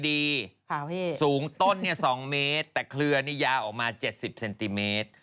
ครับพี่สูงต้นนี่๒เมตรแต่เพลือนี่ยาออกมา๗๐เซนติเมตร